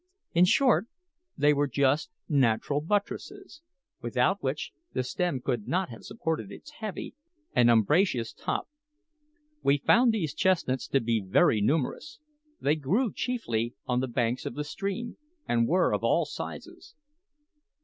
In short, they were just natural buttresses, without which the stem could not have supported its heavy and umbrageous top. We found these chestnuts to be very numerous. They grew chiefly on the banks of the stream, and were of all sizes.